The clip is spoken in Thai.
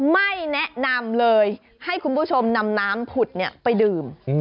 ไม่แนะนำเลยให้คุณผู้ชมนำน้ำผุดไปดื่ม